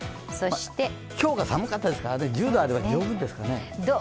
今日が寒かったですから、１０度あれば十分ですかね。